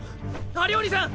アリオーニさん